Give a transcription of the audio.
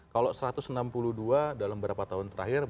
kalau satu ratus enam puluh dua dalam beberapa tahun terakhir